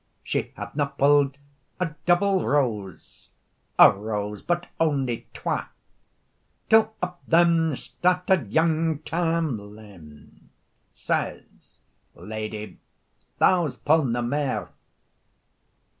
She had na pu'd a double rose, A rose but only twa, Till up then started young Tam Lin, Says, "Lady, thou's pu nae mae.